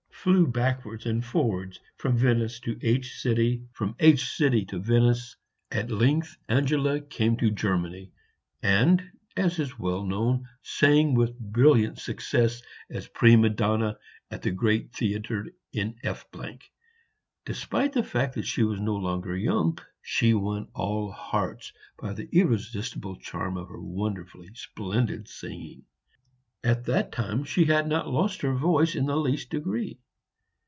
flew backwards and forwards from Venice to H , from H to Venice. At length Angela came to Germany, and, as is well known, sang with brilliant success as prima donna at the great theatre in F . Despite the fact that she was no longer young, she won all hearts by the irresistible charm of her wonderfully splendid singing. At that time she had not lost her voice in the least degree.